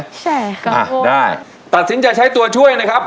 ใช่ค่ะได้ตัดสินใจใช้ตัวช่วยนะครับ